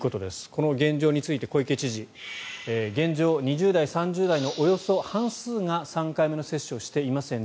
この現状について小池知事は現状２０代、３０代のおよそ半数が３回目の接種をしていません